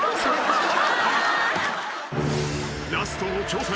［ラストの挑戦。